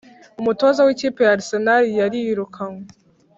Umutoza wikipe ya arsenal yirukanwe